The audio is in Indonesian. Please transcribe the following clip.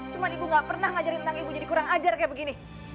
cuma ibu gak pernah ngajarin tentang ibu jadi kurang ajar kayak begini